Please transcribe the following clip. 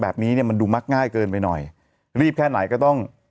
แบบนี้เนี่ยมันดูมักง่ายเกินไปหน่อยรีบแค่ไหนก็ต้อง